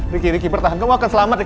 ricky ricky bertahan kamu akan selamat rick